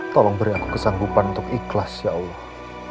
tolong beri aku kesanggupan untuk ikhlas ya allah